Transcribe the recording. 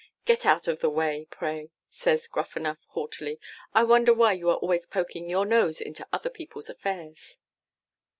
'Get out of the way, pray,' says Gruffanuff haughtily. 'I wonder why you are always poking your nose into other people's affairs?